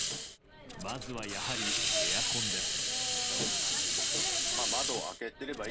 まずは、やはりエアコンです。